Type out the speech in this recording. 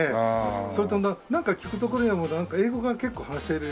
それとなんか聞くところによると英語が結構話せる。